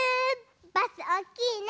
バスおっきいね。